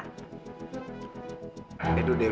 ido dari rumah sakit ma